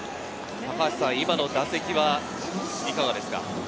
高橋さん、今の打席はいかがですか？